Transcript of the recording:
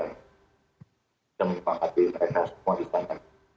bisa memperhatikan mereka semua di sana